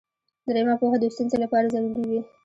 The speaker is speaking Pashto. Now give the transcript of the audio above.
دریمه پوهه د ستونزې لپاره ضروري وي.